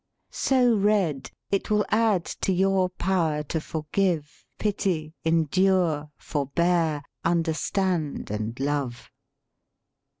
So read, it will add to your power to forgive, pity, endure, forbear, un derstand, and love.